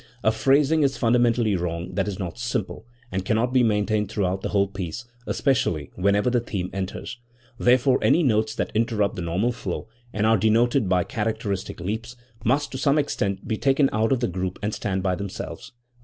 A phrasing is fundamentally wrong that is not simple, and cannot be maintained throughout the whole piece, especially whenever the theme enters. Therefore any notes that interrupt the normal flow and are denoted by characteristic leaps, must to some extent be taken out of the group and stand by themselves.